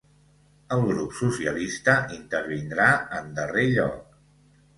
El grup socialista intervindrà en darrer lloc.